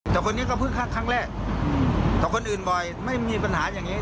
แต่คนนี้ก็เพิ่งคักครั้งแรกกับคนอื่นบ่อยไม่มีปัญหาอย่างนี้